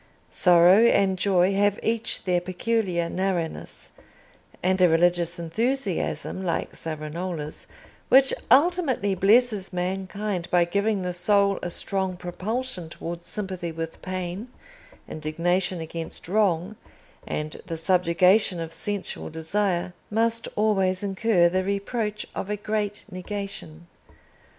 Sorrow and joy have each their peculiar narrowness; and a religious enthusiasm like Savonarola's which ultimately blesses mankind by giving the soul a strong propulsion towards sympathy with pain, indignation against wrong, and the subjugation of sensual desire, must always incur the reproach of a great negation.